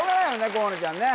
河野ちゃんね